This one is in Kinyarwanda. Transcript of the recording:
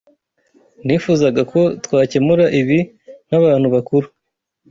Nifuzaga ko twakemura ibi nkabantu bakuru.